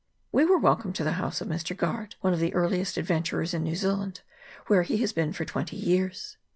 We were welcomed to the house of Mr. Guard, one of the earliest adventurers in New Zea land, where he has been for twenty years.